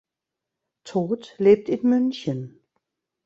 Toth lebt in München.